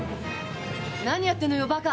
何やってんのよ、ばか！